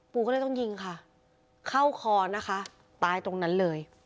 ก็เลยต้องยิงค่ะเข้าคอนะคะตายตรงนั้นเลย